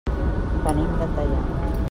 Venim de Teià.